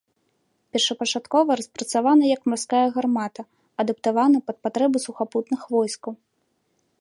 Першапачаткова распрацавана як марская гармата, адаптавана пад патрэбы сухапутных войскаў.